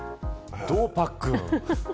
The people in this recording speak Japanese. どう、パックン。